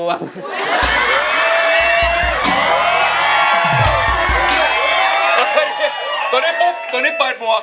ตัวนี้ปุ้บตรงนี้เปิดบวก